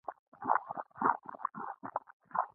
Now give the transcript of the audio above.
د کمپیوټر تاریخچه ډېره زړه ده.